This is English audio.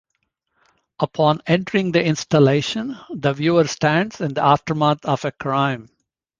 Upon entering the installation, the viewer stands in the aftermath of a crime.